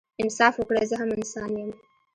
انصاف وکړئ زه هم انسان يم